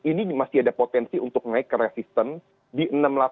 ini masih ada potensi untuk naik ke resistance di enam delapan ratus tiga belas